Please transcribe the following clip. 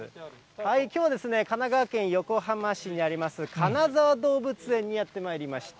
きょうは神奈川県横浜市にあります、金沢動物園にやってまいりました。